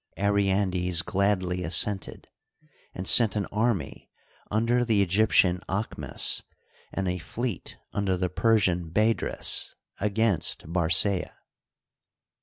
Aryandes gladly assented, and sent an army under the Egyptian Aahmes and a fleet under the Persian Badres against Barcaea.